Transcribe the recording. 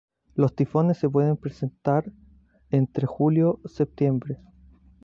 Los tifones se pueden presentar entre julio-septiembre.